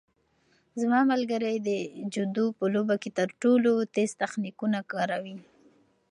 زما ملګری د جودو په لوبه کې تر ټولو تېز تخنیکونه کاروي.